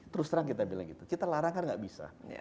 terus terang kita bilang gitu kita larang kan nggak bisa